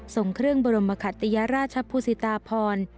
ส่งเครื่องบรมคัตยราชภูสิตาพร